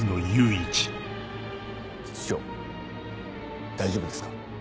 室長大丈夫ですか？